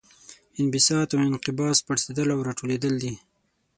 انبساط او انقباض پړسیدل او راټولیدل دي.